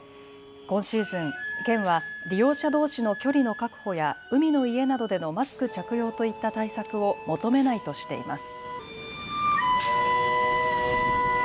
今シーズン、県は利用者どうしの距離の確保や海の家などでのマスク着用といった対策を求めないとしています。